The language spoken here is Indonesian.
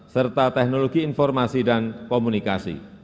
serta teknologi informasi dan komunikasi